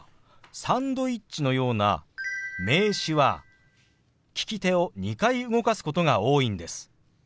「サンドイッチ」のような名詞は利き手を２回動かすことが多いんです。